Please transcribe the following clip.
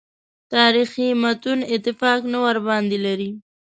تاریخي متون اتفاق نه ورباندې لري.